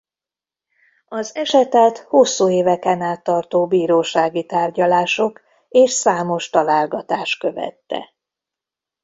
Az esetet hosszú éveken át tartó bírósági tárgyalások és számos találgatás követte.